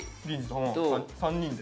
３人で？